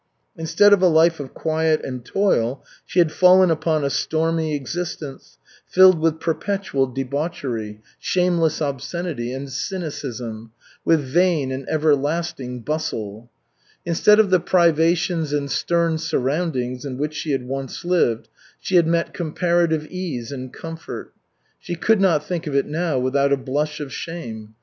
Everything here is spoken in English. Instead of a life of quiet and toil, she had fallen upon a stormy existence, filled with perpetual debauchery, shameless obscenity and cynicism, with vain and everlasting bustle. Instead of the privations and stern surroundings in which she had once lived, she had met comparative ease and comfort. She could not think of it now without a blush of shame.